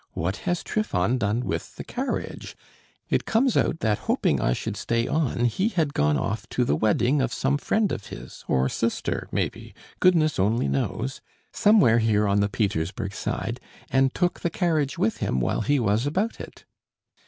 'What has Trifon done with the carriage?' It comes out that hoping I should stay on, he had gone off to the wedding of some friend of his, or sister maybe.... Goodness only knows. Somewhere here on the Petersburg Side. And took the carriage with him while he was about it."